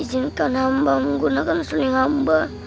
izinkan hamba menggunakan sri hamba